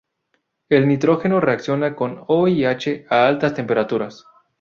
El nitrógeno reacciona con O y H a altas temperaturas.